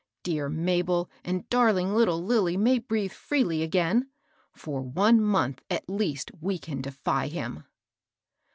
Dear Mabel and darling little Lilly may breathe freely again ;— for one months at least, we can defy him."